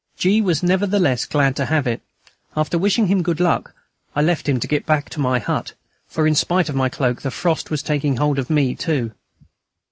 G. was nevertheless glad to have it. After wishing him good luck, I left him to get back to my hut, for, in spite of my cloak, the frost was taking hold of me too.